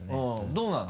どうなの？